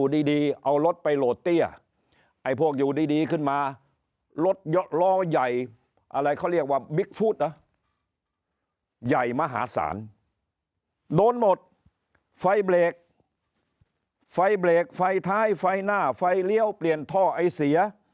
โดนหมดไฟเบรกไฟเบรกไฟท้ายไฟหน้าไฟเลี้ยวเปลี่ยนท่อไอเซีย